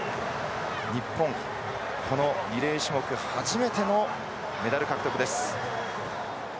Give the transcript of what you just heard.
日本、このリレー種目初めてのメダル獲得です。